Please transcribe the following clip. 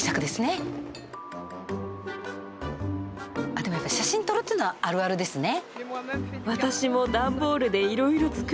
あっでも写真撮るっていうのはあるあるですね。